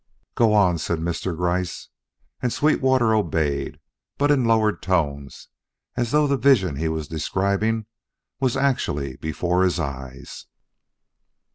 "Go on," said Mr. Gryce; and Sweetwater obeyed, but in lowered tones as though the vision he was describing was actually before his eyes.